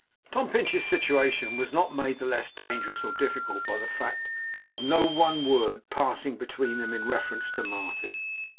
Tom Pinch's situation was not made the less dangerous or difficult by the fact of no one word passing between them in reference to Martin.